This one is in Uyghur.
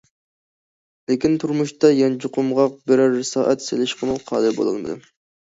لېكىن تۇرمۇشتا يانچۇقۇمغا بىرەر سائەت سېلىشقىمۇ قادىر بولالمىدىم.